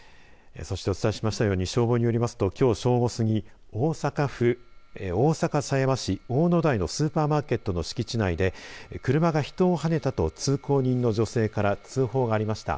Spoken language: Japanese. そしてお伝えしましたように消防によりますときょう正午過ぎ大阪府大阪狭山市大野台のスーパーマーケットの敷地内で車が人をはねたと通行人の女性から通報がありました。